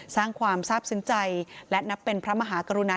สร้างความทราบซึ้งใจและนับเป็นพระมหากรุณา